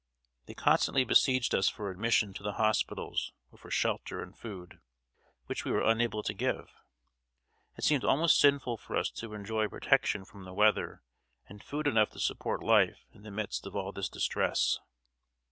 They constantly besieged us for admission to the hospitals, or for shelter and food, which we were unable to give. It seemed almost sinful for us to enjoy protection from the weather and food enough to support life in the midst of all this distress.